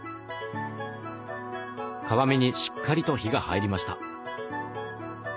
皮目にしっかりと火が入りました。